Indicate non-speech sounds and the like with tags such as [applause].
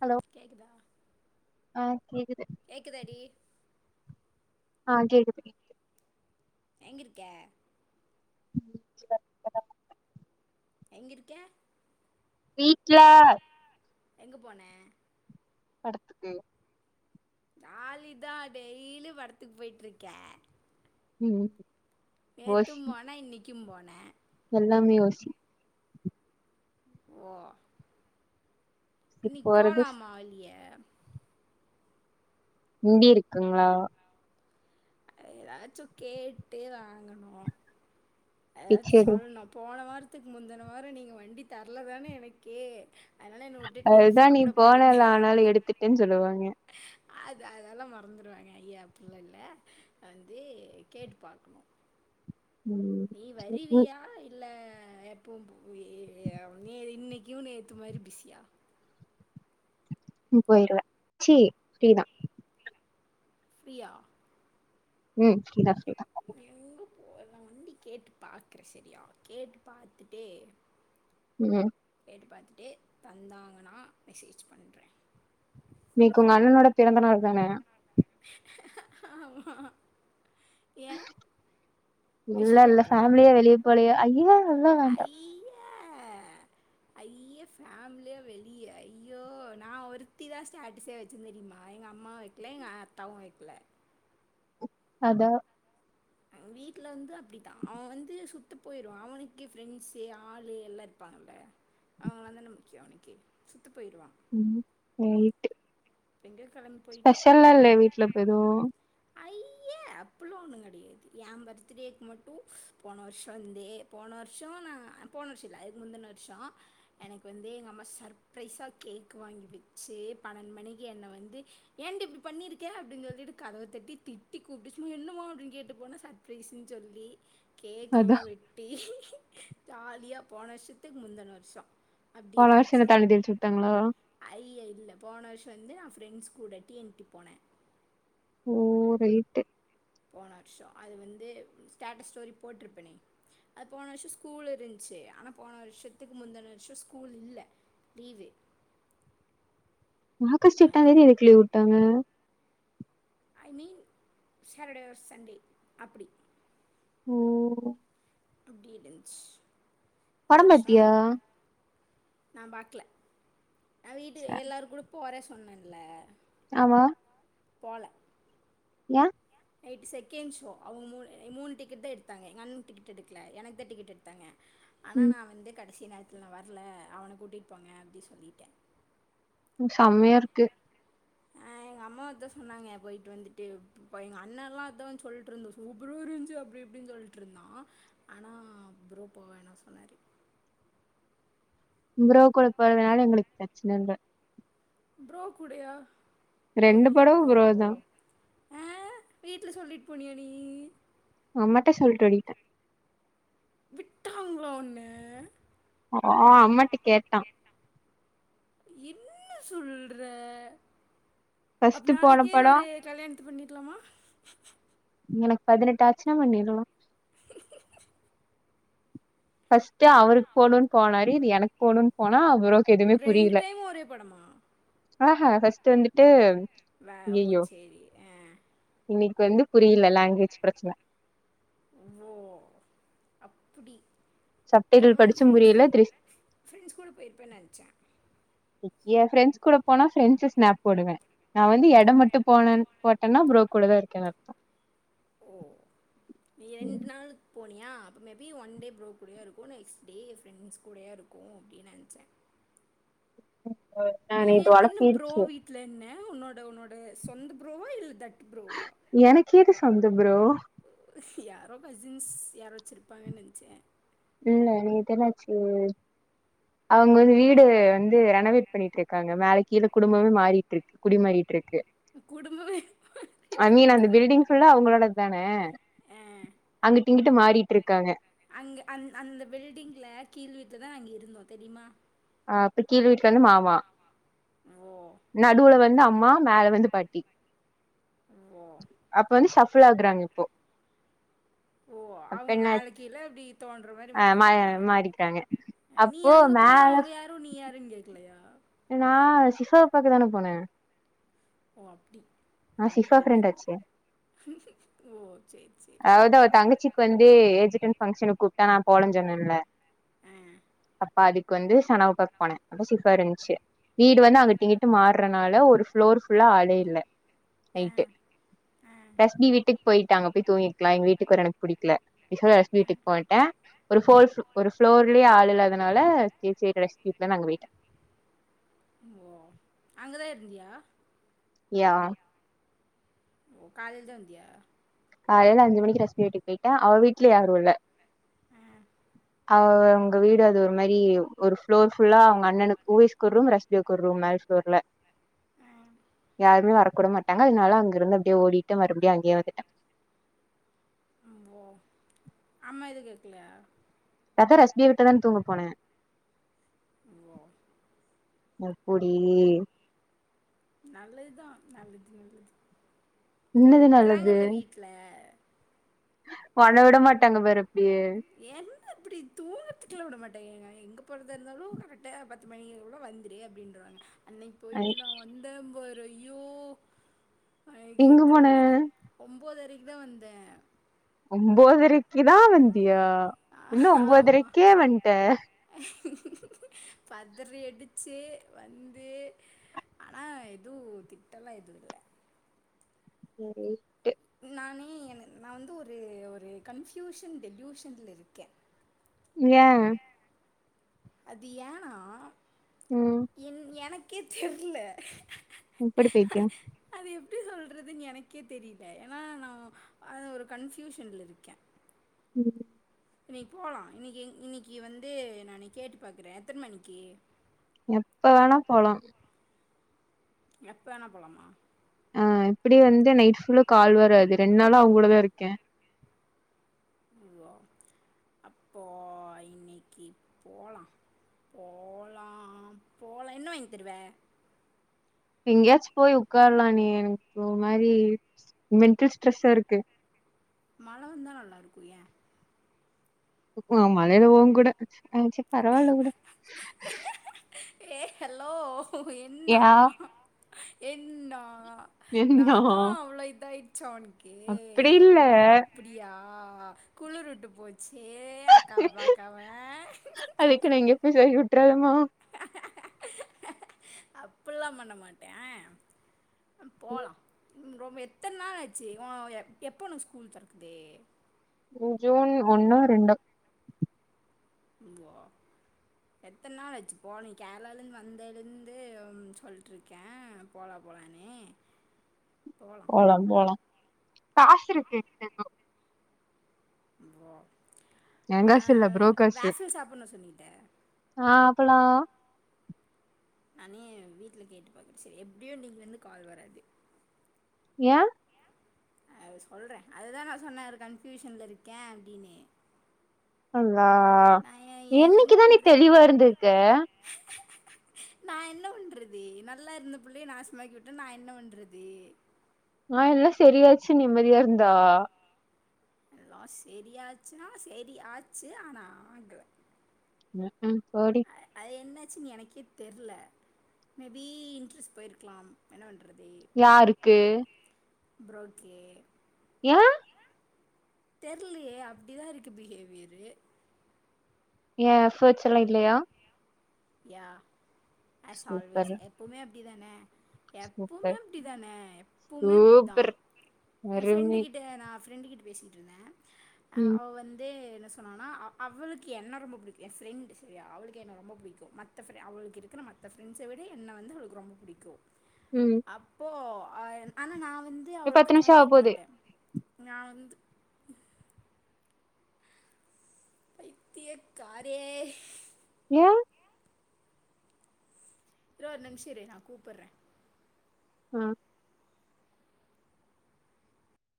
hello கேக்குதா ஆஹ் கேக்குது கேக்குதாடி ஆ கேக்குது [inaudible] எங்க இருக்க [inaudible] எங்கிருக்க வீட்ல எங்க போன படத்துக்கு ஜாலிதா டெய்லி படத்துக்கு போய்ட்டு இருக்கே உம் நேத்தும் போனா இன்னிக் கும் போனே எல்லாமே ஓசி ஓ இன்னிக் போறது போலாமா வெளிய இங்கியே இருக்குங்களா ஏதாச்சு கேட்டு வாங்கனு ஏதாச்சும் பிச்சடி சொல்லணு போன வார த்துக்கு முந்தின வாரோ நீங்க வண்டி தரலதான எனக்கு அதனால் என்னை விட்டுட்டு நீங்கள் அதுதா நீ சாப்பிட போனீங்க போனல ஆனாலு எடுத்துட்ன்னு சொல்லுவாங்க அது அதெல்லா மறந்துருவாங்க அய்யே அப்புள்ள இல்ல வந்து கேட்டு பாக்கணு ம் நீ ம் வரிவியா இல்ல அ எப்போ புவீ நீ இன்னைக்கு நேத்து மாரி பிஸியா ம் போயிருவே சி இப்டிதா ஃபிரியா உம் ஃப்ரீ தா ஃப்ரீ தா போல்லான்டி கேட்டு பாக்குறே செரியா கேட்டு பாத்துட்டே உம் கேட்டு பாத்துட்டு தந்தாங்கன்னா மெசேஜ் பண்றே இன்னைக்கு உங்க அண்ணனோட பிறந்த நாள் தானே ஆமா ஏன் விஷ் இல்ல இல்ல பண்றியா ஃபேமிலியா வெளிய போலியா அய்யே அதெல்லா வேண்டா ஆ அய்யே ஃபேமிலியா வெளிய ஐயோ நா ஒருத்திதா ஸ்டாட்டஸே வச்சேன் தெரியுமா எங்க அம்மா வெக்கல எங்க ஆத்தாவு வெக்கல அதா வீட்டுல வந்து அப்படித்தா அவ வந்து சுத் த்த போயிடு அவனுக்கு ஃப்ரெண்ட்ஸு ஆளு எல்லா இருப்பாங்கல்ல அவங்க தானே முக்கிய அவனுக்கு சுத்த போயிடுவா உம் போயிட்டு எங்க ஸ்பெஷல்லா இல்லயா வீட்ல இப்ப எதுவு ஐயே அப்பளாம் ஒண்ணும் கெடையாது என் பர்த்டேக்கு மட்டும் போன வருஷம் வந்து போன வருஷ நா போன வருஷ இல்ல அதுக்கு முந்தின வருஷ எனக்கு வந்து எங்க அம்மா சர்பிரைஸா கேக் வாங்கி வச்சு பன்னெண்டு மணிக்கு என்னை வந்து ஏண்டி இப்படி பண்ணிருக்கே அப்படின்னு சொல்லிட்டு கதவு தட்டி திட்டி கூப்பிட்டுச்சுமா என்னம்மா அப்படின்னு கேட்டு போனா சர்ப்ரைஸ்ன்னு சொல்லி கேக்லா அதா வெட்டி ஜாலியா போன வருஷத்துக்கு முந்துன வருஷ அப்படி போன வருஷ என்ன இருந்துச்சு தண்ணி தெளிச்சு விட்டாங்களா ஐயா இல்ல போன வருஷ வந்து நா ஃப்ரண்ட்ஸ் கூடட்டி எனுட்டி போனே ஓ ரைட்டு போன வருஷ அது வந்து ஸ்டேட்டஸ் ஸ்டோரி போட்ருப்பனே அது போன வருஷ ஸ்கூல் இருந்துச்சு ஆனா போன வருஷத்துக்கு முந்துன வருஷம் ஸ்கூல் இல்ல லீவு ஆகஸ்ட் அதனால் எட்டாந்தேதி எதுக்கு லீவ் உட்டாங்க I mean Saturday or Sunday அப்பிடி ஓ டுடேலன்ஸ் படம் பாத்தியா நாம்பாக்கல எ வீட்டு ச- எல்லாரு கூடவு போரே சொன்னேன்ல ஆமா போல ஏ நைட் செகண்ட் ஷோ அவங்க மூ மூணு டிக்கெட் தா எடுத்தாங்க எங்கண்ணுக்கு டிக்கெட் எடுக்கல எனக்கு தா டிக்கெட் எடுத்தாங்க ஆனா ம் நா வந்து கடைசி நேரத் துல வரல அவன கூட்டிட்டு போங்க அப்டி சொல்லிட்டே செம்மையா இருக்கு ஆ எங்க அம்மா அதா சொன்னாங்க போயிட்டு வந்துட்டு போ எங்க அண்ண எல்லா அதா வந்து சொல்லிட்டு இருந்ச் சூப்பரா இருந்துச்சு அப்டி இப்டின்னு சொல்லிட்டு இருந்தா ஆனா ப்ரோ போ வேனான்னு சொன்னாரு ப்ரோ கூட போறதுனால எங்களுக்கு பிரச்சன இல்ல ப்ரோ கூடையா ரெண்டு படம் ப்ரோ தா ஆ வீட்டுல சொல்லிட்டு போனிய நீயு அம்மாட்ட சொல்ட்டு ஓடிட்ட விட்டாங்களா உன்ன ஆ அம்மாட்ட கேட்டா என்ன சொல்ற அப்ப ஃபர்ஸ்ட் போன நாளைக்கே படோ ஒரு கல்யாண த்து பண்ணிடலாமா எனக்கு பதினெட்டு ஆச்சுனா பண்ணிடுலா ஃபர்ஸ்ட் அவருக்கு போனூம்ன்னு போனாரு இது எனக்கு போனூம்ன்னு போனா அவுரு ரெண்டு டைம் ஒரே படமா ஆஹே ஃபர்ஸ்ட் வந்துட்டு வே ஓ ஐயையோ சேரி ஆ இன்னைக்கு வந்து புரியல லேங்குவேஜ் பிரச்சன ஓ அப்டி சப்டைட்டில் படிச்சும் புரியல திர்ஸ் ஃப்ரெண்ட்ஸ் கூட போயிருப்பேன்னு நினச்சேன் என் ஃப்ரெண்டஸ் கூட போனா ஃப்ரெண்ட்ஸு ஸ்னாப் போடுவே நா வந்து எடம் மட்டு போ போட்டன்னா புரோ கூடவே இருக்கேனு அர்த்தோ ஓ நீ ரெண்டு நாள் போனியா அப்போ மேபி ஒன் டே ப்ரோ கூடேயே இருக்கு நெக்ஸ் டே ஃப்ரெண்ட்ஸ் கூடயே இருக்கு அப்டீன்னு நினச்ச ஆ நா நேத்து ஒ ஆள ப்ரோ பேசுனே வீட்டில் என்ன உன்னோட உன்னோட சொந்த புரோவா இல்ல தட் எனக்கு ஏது சொந்த புரோ யாரோ கசின்ஸ் யார் வச்சுருப்பாங்கன் நென்ச்ச இல்ல நேத் என்னாச்சு அவுங் வீடு வந்து ரெனவேட் பண்ணிட்டு இருக்காங்க மேல கீழ குடும்பமே மாறிட்டு இருக்கு குடிமாறிட் இருக்கு குடும்பமே ஐ மாறிட்டு மீன் அந்த இருக்கா பில்டிங் ஃபுல்லா அவங்களோடத் தானே அங்கிட்டு இங்கிட்டு மாறிட்ருக்காங்க அங்கு அங்க அ அந்த பில்டிங்ல கீழ் வீட் து தா அங்கி இருந்தோ தெரிய்மா ஆ அப்ப கீழ் வீட்லு வந்து மாமா ஓ நடுவுல வந்து அம் மா மேல வந்து பாட்டி ஓ அப்ப வந்து ஷஃப்ல் ஆகுறாங் இப்போ ஓ அப்ப அவ்ங் என்ன மேல கீழ அப்டி தோன்ற மாரி ஆ மா மாறுறாங்ளா மாறிக்கிறாங்க நீ அப்போ அங்க போனா மேல அவுங்க யா நீ யாருன் கேக்லையா நா ஷிஃபாவ பாக்க தான போன ஓ அப்டி நா அப்டி சிஃபா போயிட்ட ஃப்ரெண்ட் ஆச்சே ஓ சேரி சேரி அவ்த அவ தங்கச்சிக் வந்து ஏஜிட்டன்ட் பங்க்ஷனு கூப்ட்டா நா போலன்ஞ் சொன்னல்ல ஆ அப்பாடி வந்து சனாவ் பாக் போன அப்ப சிஃபா இருந்துச்சு வீடு வந்து அங்கிட்டிங்கிட்டு மாற்றனால ஒரு ஃபுளோர் ஃபுல்லா ஆளே இல்ல ஆ நைட்டு ஆ ரஸ்பி வீட்டுக் போயிட்டாங்க போய் தூங்கிட் லா எங் வீட்டுக் வர எனக் புடிக்ல இஃபோ ரஷ்பி வீட்டுக் போய்ட்ட ஒரு ஃபோள் ஃபு ஒரு ஃபுளோர்லே ஆள் இல்லாதனால சேச்சே ரஷ்பிக் தான் வஅங்க போயிட்டே ஓ அங்கதா இருந்தியா யா ஒ காலைல்தா வந்தியா காலைல அஞ்சு மணிக்கு ரஷ்மி வீட்டுக் போயிட்ட அவ வீட்ல யாரு இல்ல ம் அவ அவ்ங்க வீடு அது ஒரு மாரி ஒரு ஃப்ளோர் ஃபுல்லா அவங்க அண்ணனுக் கூவய்ஸ்க் ஒர் ரூம் ரஷ்பியோக் ஒரு ரூம் மேல் ஃப்ளோர்ல ஆ யாருமே வரக்கூட மாட்டாங்க அதனால அங்க இருந்து அப்டியே ஓடிட்டு மறுபடியு அங்யே வந்துட்ட ம் ஒ அம்மா எது கேக்லயா கதா ரஷ்பியா வீட்டதா தூங்க போன ஓ எப்புடி நல்லதுதா நல்லது நல்லது அ என்னது நல்லது விட்றாங்கல்ல வீட்ல ஒன்ன விட மாட்டாங்க பாரு அப்டியே என்ன இப்டி தூவத்துக்லா விட மாட்டங் எங் ஐ எங்க போறதா இருந்தாலு கரக்டா பத்து மணிகுள்ள வந்துரு அப்டின்றுவாங்க அன்னைக் போயிட்டு நா வந்த பாரு ஐயோ அ எங்க எத்தன் போன மணிக்கு ஒம்போதரை ங்தா வந்த ஒம்போதரைக்கி தா வந்தியா அ இன்னு ஆமா ஒம்போதரைக்கே வந்ட்ட பத் தரி அடிச்சு வந்து ஆனா எதுவு திட்டலா எதுவு இல்ல ஏ ரைட்டு நானே என நா வந்து ஒரு ஒரு கன்ஃபியூஷன் டெல்யூஷன்ல இருக்கே ஏ அது ஏனா ம் என் எனக் கே தெர்ல உப்பு எடு பைத்தியம் எப்பிடி சொல்றது எனக்கே தெரியல ஏனா நான் நாஒரு கன்ஃபூசன்ல இருக்கேன் உம் [inaudible] இன்னைக்கு போலாம் இன்னைக்கு இன்னைக்கு வந்து நான் கேட்டு பாக்குறேன் எத்தனை மணிக்கு எப்ப வேணா போலாம் எப்ப வேணா போலாமா அ இப்புடி வந்து நைட் புுல்ல கால் வராது ரெண் நாளா அவ்கூடதா இருக்கே வ அப்போ இன்னக்கி போலா போலா போலா என்ன வாங் தருவ எங்யாச்சு போய் உக்காரலானி எனக்கு ஒரு மாரி மெண்டல் ட்ரெஸ்சா இருக்கு மழை வந்தா நல்லாருக்கு எ ம் ம் மழைல உங்கூட ம் சேர் பரவால்ல உடு ஏய் ஹலோ என்னா யா என்னா [inaudible] நின்னா நான்னா அவ்ளோ இதா ச்சா ஒன்க்கு அப்படி ஓ இல்ல அப்பிடியா குளிர் உட்டு போச்சு அக்காவ பாக்காம ஆமா அப்பிட்லா பண்ண மாட்டே ம் போலா ம் ரொம்ப எத்தன் நாள் ஆச்சு உ எப் எப்ப உனக்கு ஸ்கூல் தெறக்குது ஜூன் ஒன்னோ ரெண்டோ [unintelligible] எத்தன் நாள் ஆச்சு போன நீ கேரளாலர்ந் வந்தலிர்ந்து சொல்லிட்ருக்கே போலா போலானு போலா போலா காசுருக்கு [inaudible] ம் போ ஏங்காசு இல்லே புரோக்காசு சாப்பிட்ணும் சொன்னிட்ட ஆஹ் பளா நானே வீட்ல கேட்டு பாக்குற சரி எப்டியு இன்னிக் வந்து கால் வராது ஏ அ சொல்ற அதுதா நா சொன்ன ஒரு கன்பியூஷன்ல இருக்கே அப்டினு அல்லா எனக்கு என்ன என்னைக்குதா நீ பண்ணுறது தெளிவா இருந்திருக்க நா என்ன பண்றது நல்லா இருந்த புள்ளைய நாசமாக்கி விட்ட நா என்ன பண்றது ஆ எல்லா சரியாச்சு நிம்மதியா இருந்தா எல்லா சரியாச்சுனா சேரி ஆச்சு ஆனா ஆகல ம்ஹு ம் போடி சின் எனக்கே தெர்ல மேபி இன்ட்ரெஸ்ட் போயிருக்லா என்ன பண்றது யாருக்கு ப்ரோக்கே ஏ தெர்லியே அப்டிதா இருக்கு பிஹேவியரு ஏ எஃபோட்ஸ்லா இல்லையா யா அஸ் ஆல்வேஸ் சூப்பர் எப்பவ்மே அப்படி தானே எப்பவுமே சூப்பர் அப்டி தானே எப்பவுமே அப்படிதா சூப்பர் எ ஃரெண்டு அருமை கிட்ட நா ஃப்ரெண்டு கிட்ட பேசிட்ந்தே அ ம் அவ் வந்து சொன்னானா அ அவுளுக்கு என்ன ரொம்ப புடிக்கு எ ஃப்ரெண்ட் சரியா அவ்ளுக்கு என்ன ரொம்ப புடிக்கு மத்த ஃப்ரெ அவளுக்கு இருக்குற மத்த ஃபிரெண்ஸ விட என்ன வந்து அவ்ளுக்கு ரொம்ப புடிக்கு ம் அப்போ ஆ என் ஆனா நாவ் வந்து இப்ப அவளுக்கு பத்து நிமிஷம் ஆக காட்டிட்டு போகுது வன்ட்ட நா வந்து பைத்திய காரியே ஏ இரு ஒரு நிமிஷொ இரு நா கூப்புர்ற ம்